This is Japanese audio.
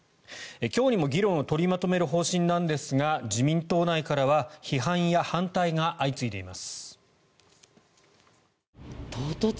今日にも議論を取りまとめる方針なんですが自民党内からは批判や反対が相次いでいます。